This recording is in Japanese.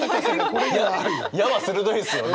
「矢」はするどいですよね。